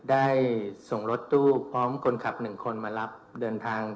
ได้ส่งรถตู้พร้อมคนขับ๑คนมารับเดินทาง